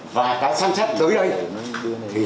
và cái sân chất tới đây